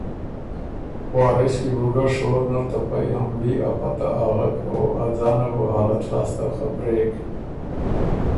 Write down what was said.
وارث کی بو ګۀ شور نر ته پئ حملي ا پته اغک او ا ځانه بو حالت لاسته خبرېک